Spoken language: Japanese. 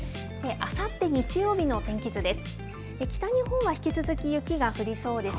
あさって日曜日の天気図です。